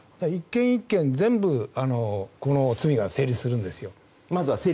１件１件、全部罪が成立するんですよ。